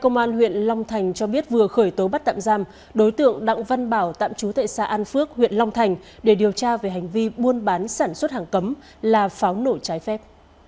công an huyện long thành cho biết vừa khởi tố bắt tạm giam đối tượng đặng văn bảo tạm trú tại xã an phước huyện long thành để điều tra về hành vi buôn bán sản xuất hàng cấm là pháo nổ trái phép